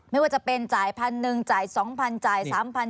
ไม่ว่าจะเป็นจ่ายพันหนึ่งจ่ายสองพันจ่ายสามพัน